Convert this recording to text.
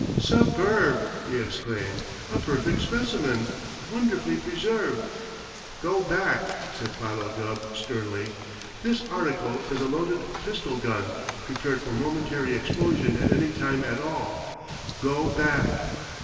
"Superb!" he exclaimed. "A perfect specimen! Wonderfully preserved!" "Go back!" said Philo Gubb sternly. "This article is a loaded pistol gun, prepared for momentary explosion at any time at all. Go back!"